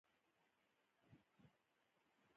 آیا لاجورد اوس هم ارزښت لري؟